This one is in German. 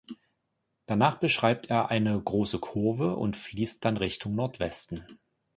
Danach beschreibt er eine große Kurve und fließt dann Richtung Nordwesten.